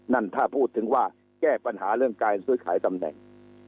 นั่นถ้าพูดถึงว่าแก้ปัญหาเรื่องการซื้อขายตำแหน่ง